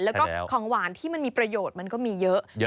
แล้วก็ของหวานที่มันมีประโยชน์มันก็มีเยอะ